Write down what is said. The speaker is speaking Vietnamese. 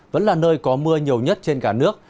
vẫn là nơi có mưa nhiều nhất trên cả nước